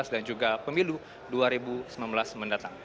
dan juga pemilu dua ribu sembilan belas mendatang